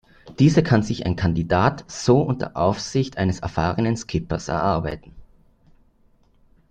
Diese kann sich ein Kandidat so unter Aufsicht eines erfahrenen Skippers erarbeiten.